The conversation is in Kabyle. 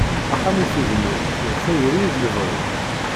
Axxam i t-ibennun d tayri d lebɣi.